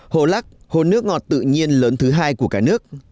hồ lắc hồ nước ngọt tự nhiên lớn thứ hai của cả nước